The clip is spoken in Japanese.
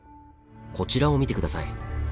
こちらを見て下さい。